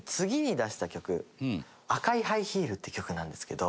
『赤いハイヒール』って曲なんですけど。